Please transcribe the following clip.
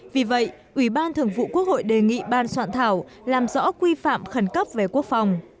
vì vậy ủy ban thường vụ quốc hội đề nghị ban soạn thảo làm rõ quy phạm khẩn cấp về quốc phòng